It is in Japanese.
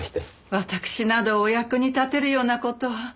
わたくしなどお役に立てるような事は。